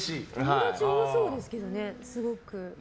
友達多そうですけどね。